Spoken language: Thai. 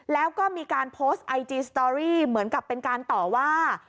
แล้วก็มีการโพสต์ไอจีสตอรี่เหมือนกับเป็นการต่อว่า